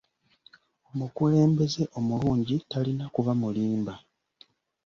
Omukulembeze omulungi talina kuba mulimba.